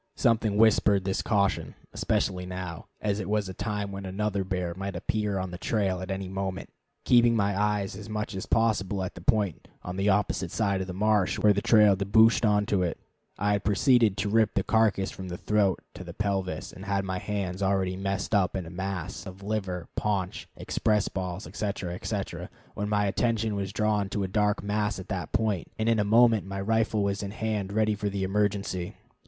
Something whispered this caution, especially now, as it was a time when another bear might appear on the trail at any moment. Keeping my eyes as much as possible at the point on the opposite side of the marsh, where the trail debouched on to it, I had proceeded to rip the carcass from the throat to the pelvis, and had my hands already messed up in a mass of liver, paunch, express balls, etc., etc., when my attention was drawn to a dark mass at that point, and in a moment my rifle was in hand ready for the emergency.